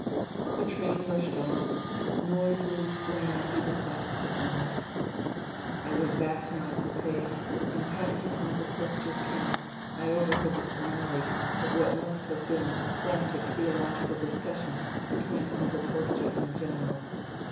The train rushed on, noisily swaying through the silence of the night. I went back to my coup6, and passing Uncle Kostia's kennel I overheard the finale of what must have been a frantic theological discussion between Uncle Kostia and the General.